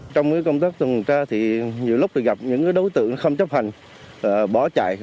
trong công tác tuần tra thì nhiều lúc gặp những đối tượng không chấp hành bỏ chạy